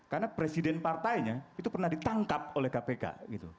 karena presiden partainya itu pernah ditangkap oleh kpk gitu